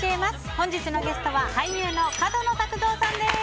本日のゲストは俳優の角野卓造さんです。